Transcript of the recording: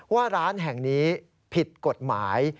ว่าร้านแห่งนี้ผิดกฎหมาย